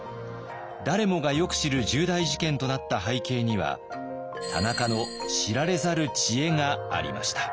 誰もがよく知る重大事件となった背景には田中の知られざる知恵がありました。